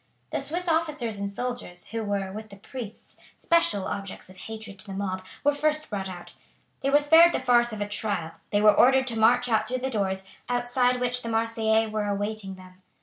The Swiss officers and soldiers, who were, with the priests, special objects of hatred to the mob, were first brought out. They were spared the farce of a trial, they were ordered to march out through the doors, outside which the Marseillais were awaiting them.